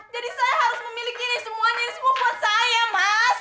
jadi saya harus memiliki ini semuanya ini semua buat saya mas